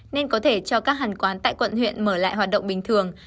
nên có thể cho các hàng quán tại quận huyện mở lại hoạt động bình thường